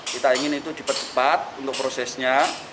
kita ingin itu dipercepat untuk prosesnya